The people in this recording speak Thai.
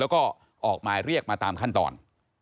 แล้วก็ออกหมายเรียกมาตามขั้นตอน